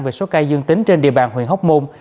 về số ca dương tính trên địa bàn huyện hóc môn